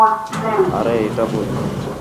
আরে এটা ভুল।